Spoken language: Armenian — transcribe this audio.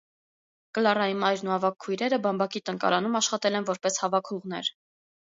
Կլարայի մայրն ու ավագ քույրերը բամբակի տնկարանում աշխատել են որպես հավաքողներ։